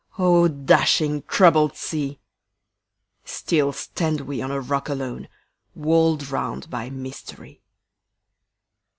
O dashing, troubled sea! Still stand we on a rock alone, Walled round by mystery.